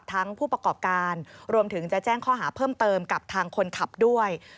ผู้ประกอบการรวมถึงจะแจ้งข้อหาเพิ่มเติมกับทางคนขับด้วย